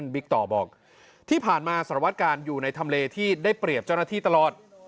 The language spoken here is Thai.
ต่อบอกที่ผ่านมาสารวัตการณ์อยู่ในทำเลที่ได้เปรียบเจ้าหน้าที่ตลอด